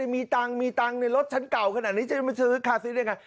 มีตังค์มีตังค์ในรถฉันเก่าขนาดนี้จะมาซื้อคาซื้อได้ไง